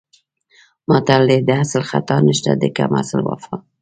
متل دی: د اصل خطا نشته د کم اصل وفا.